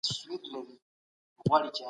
دیني ژوند د انسان روح ته ارامي بښي.